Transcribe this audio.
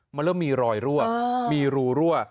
มันเริ่มมีรอยรั่วมีรูรั่ว